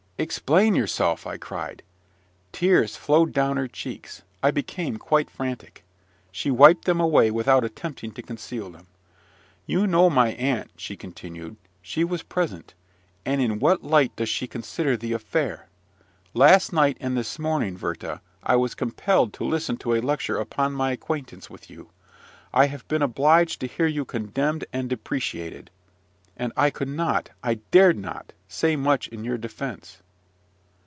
"Explain yourself!" I cried. Tears flowed down her cheeks. I became quite frantic. She wiped them away, without attempting to conceal them. "You know my aunt," she continued; "she was present: and in what light does she consider the affair! Last night, and this morning, Werther, I was compelled to listen to a lecture upon my acquaintance with you. I have been obliged to hear you condemned and depreciated; and I could not I dared not say much in your defence."